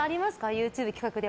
ＹｏｕＴｕｂｅの企画で。